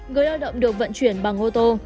người lao động được vận chuyển bằng ô tô